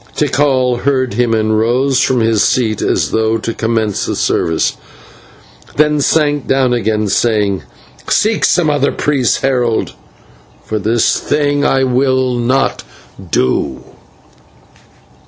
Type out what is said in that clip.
Tikal heard him and rose from his seat as though to commence the service, then sank down again, saying: "Seek some other priest, Herald, for this thing I will not do."